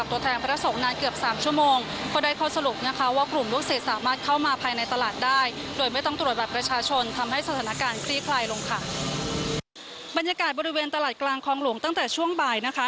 บรรยากาศบริเวณตลาดกลางคลองหลวงตั้งแต่ช่วงบ่ายนะคะ